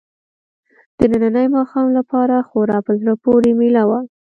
د ننني ماښام لپاره خورا په زړه پورې مېله وه.